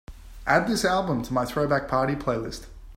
add this album to my Throwback Party playlist